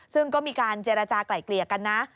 ซึ่งก็มีการเจรจากลายเกลี่ยกันนะ